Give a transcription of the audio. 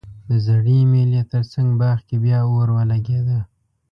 د زړې مېلې ترڅنګ باغ کې بیا اور ولګیده